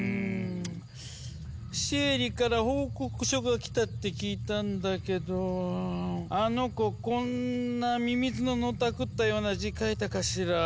シエリから報告書が来たって聞いたんだけどあの子こんなミミズののたくったような字書いたかしら？